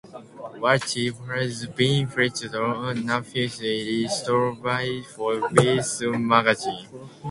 Waitt has been featured on numerous lists by Forbes magazine.